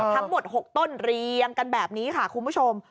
ทั้งหมด๖ต้นเรียงกันแบบนี้ค่ะคุณผู้ชม